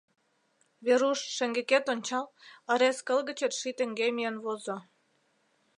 — Веруш, шеҥгекет ончал, ырес кыл гычет ший теҥге миен возо.